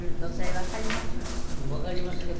わかりますけど。